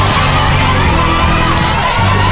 สุดท้ายแล้วครับ